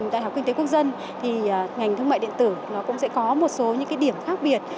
tại học kinh tế quốc dân thì ngành thương mại điện tử nó cũng sẽ có một số những điểm khác biệt